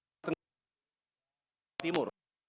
jepang tenggara jepang timur